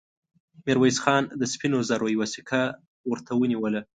ميرويس خان د سپينو زرو يوه سيکه ورته ونيوله.